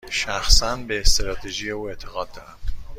شخصا، به استراتژی او اعتقاد دارم.